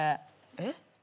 えっ？